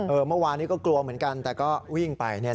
โอ้เมื่อวานก็กลัวเหมือนกันแต่ก็วิ่งไปเนี่ย